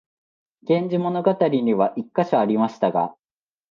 「源氏物語」には一カ所ありましたが、